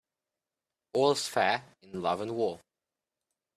All's fair in love and war.